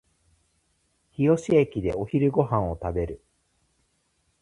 日吉駅でお昼ご飯を食べる